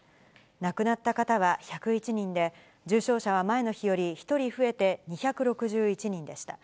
亡くなった方は１０１人で、重症者は前の日より１人増えて２６１人でした。